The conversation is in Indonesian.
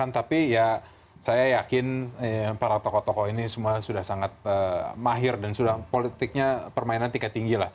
tapi ya saya yakin para tokoh tokoh ini semua sudah sangat mahir dan sudah politiknya permainan tingkat tinggi lah